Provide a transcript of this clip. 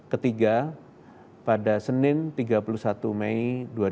ketiga pada senin tiga puluh satu mei dua ribu dua puluh